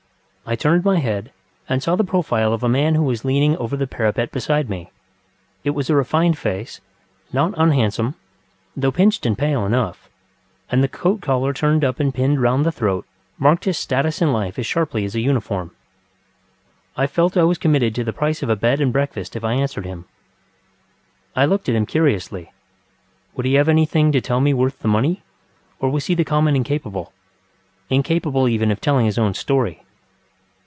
I turned my head, and saw the profile of a man who was leaning over the parapet beside me. It was a refined face, not unhandsome, though pinched and pale enough, and the coat collar turned up and pinned round the throat marked his status in life as sharply as a uniform. I felt I was committed to the price of a bed and breakfast if I answered him. I looked at him curiously. Would he have anything to tell me worth the money, or was he the common incapableŌĆöincapable even of telling his own story?